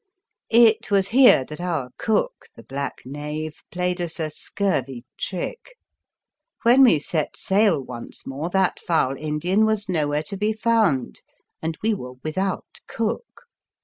It was here that our cook, the black knave, played us a scurvy trick. When we set sail once more, that foul Indian was nowhere to be found, and we were without cook.